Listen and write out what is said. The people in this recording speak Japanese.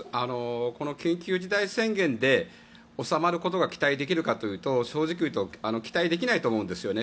この緊急事態宣言で収まることが期待できるかというと正直言うと期待できないと思います。